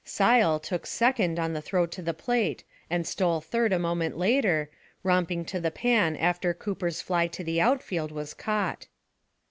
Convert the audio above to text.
Sile took second on the throw to the plate, and stole third a moment later, romping to the pan after Cooper's fly to the outfield was caught.